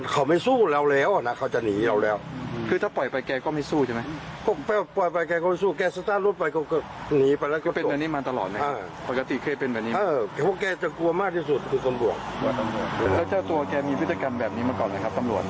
แกจะกลัวมากที่สุดตัวตัวแกมีพฤติกรรมแบบนี้มาก่อนนะครับ